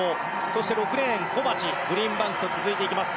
そして６レーンコバチ、グリーンバンクと続いていきます。